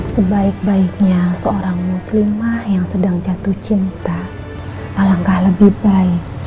sebaik baiknya seorang muslimah yang sedang jatuh cinta alangkah lebih baik